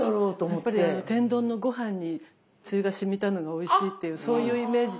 やっぱりあの天丼のごはんにつゆがしみたのがおいしいっていうそういうイメージじゃないですか？